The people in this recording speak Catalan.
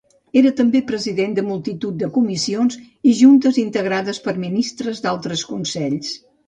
Era també president de multitud de comissions i juntes integrades per ministres d'altres consells.